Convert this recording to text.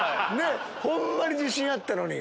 ホンマに自信あったのに。